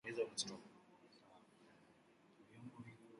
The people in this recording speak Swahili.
Hadi wakati ule polisi iliwahi kuwa chini ya serikali za majimbo ya Ujerumani.